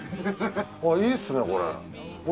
あぁいいっすねこれ。